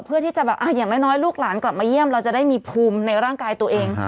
เพื่อที่จะแบบอย่างน้อยลูกหลานกลับมาเยี่ยมเราจะได้มีภูมิในร่างกายตัวเอง